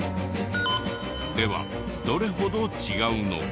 ではどれほど違うのか？